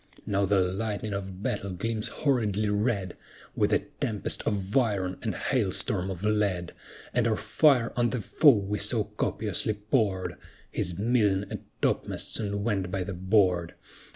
Now the lightning of battle gleams horridly red, With a tempest of iron and hail storm of lead; And our fire on the foe we so copiously poured, His mizzen and topmasts soon went by the board.